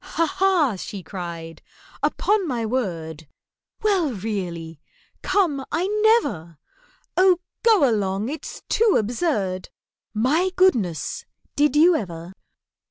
"Ha! ha!" she cried. "Upon my word! Well, really—come, I never! Oh, go along, it's too absurd! My goodness! Did you ever?